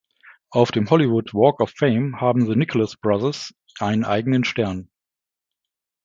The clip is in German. Auf dem Hollywood Walk of Fame haben The Nicholas Brothers einen eigenen Stern.